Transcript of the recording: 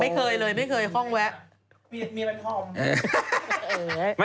ไม่เคยเลยไม่เคยข้องแวะ